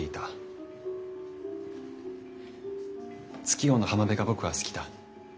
「月夜の浜辺」が僕は好きだ。